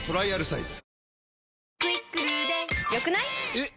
えっ！